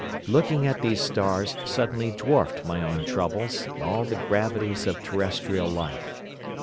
"Looking at these stars suddenly dwarfed my own troubles and all the gravities of terrestrial life.